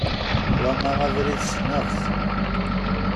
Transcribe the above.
Wama abrid sneɣ-t.